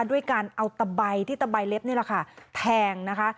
ด้วยการเอาตะใบที่ตะใบเล็บนี่แหละค่ะแทงนะคะ